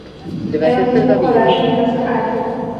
雷恩夫妇后来生育了四个孩子。